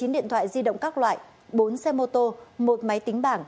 một mươi điện thoại di động các loại bốn xe mô tô một máy tính bảng